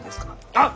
あっ！